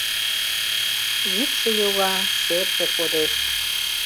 Вӱдшӧ йога — серже кодеш.